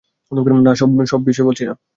না, সব বিষয়ে বলছিনা।